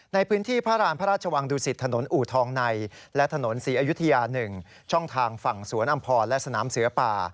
ในพื้นที่พระราณพระราชวังดุสิตถนนอูทองในและถนนศรีอยุธยา๑ช่องทางฝั่งสวนอำพรและสนามเสือป่า